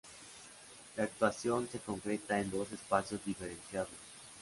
La actuación se concreta en dos espacios diferenciados.